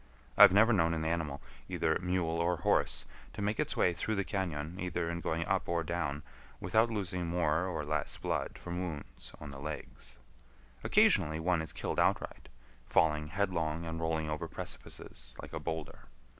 I have never known an animal, either mule or horse, to make its way through the cañon, either in going up or down, without losing more or less blood from wounds on the legs. Occasionally one is killed outright—falling headlong and rolling over precipices like a boulder.